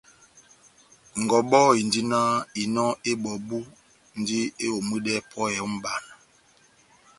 Ngɔbɔ endi náh: Inɔ ebɔbu ndi eyomwidɛ pɔhɛ ó mbana